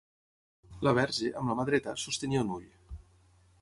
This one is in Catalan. La Verge, amb la mà dreta, sostenia un ull.